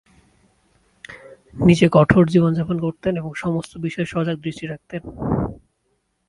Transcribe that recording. নিজে কঠোর জীবনযাপন করতেন এবং সমস্ত বিষয়ে সজাগ দৃষ্টি রাখতেন।